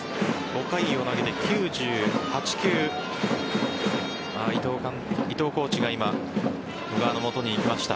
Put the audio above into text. ５回を投げて９８球．伊藤コーチが今小川の元に行きました。